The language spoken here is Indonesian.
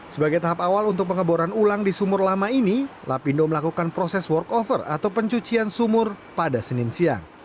sebagai tahap awal untuk pengeboran ulang di sumur lama ini lapindo melakukan proses workover atau pencucian sumur pada senin siang